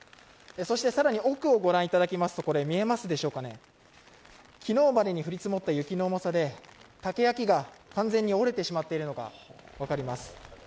そして更に奥をご覧いただきますと、昨日までに降り積もった雪の重さで、竹や木が完全に折れてしまっているのが分かります。